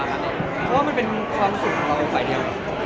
เพราะว่ามันเป็นความรู้สึกของเราไกลเดียว